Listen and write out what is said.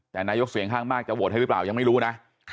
แต่นายกเสียงข้างมากจะโหวตให้หรือเปล่ายังไม่รู้นะ